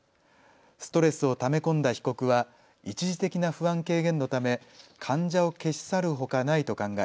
ストレスをため込んだ被告は一時的な不安軽減のため患者を消し去るほかないと考え